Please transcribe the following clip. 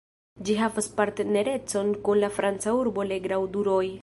Ĝi havas partnerecon kun la franca urbo Le Grau du Roi.